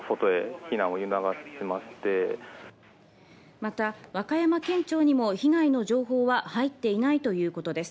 また和歌山県庁にも被害の情報は入っていないということです。